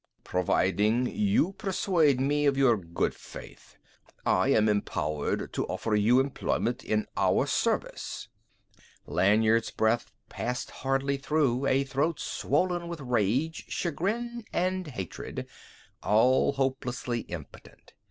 "Providing you persuade me of your good faith, I am empowered to offer you employment in our service." Lanyard's breath passed hardly through a throat swollen with rage, chagrin, and hatred, all hopelessly impotent.